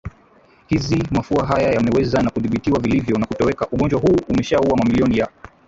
hizi mafua haya yameweza na kudhibitiwa vilivyo na kutoweka Ugonjwa huu umeshaua mamilioni ya